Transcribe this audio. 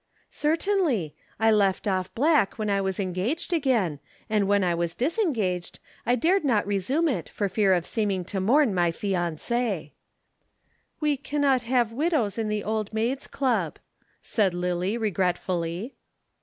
"Certainly! I left off black when I was engaged again, and when I was disengaged I dared not resume it for fear of seeming to mourn my fiancé." "We cannot have widows in the Old Maids' Club," said Lillie regretfully.